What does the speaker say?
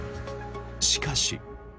しかし。